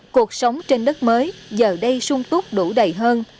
cuộc sống trên đất mới giờ đây sung túc đủ đầy hơn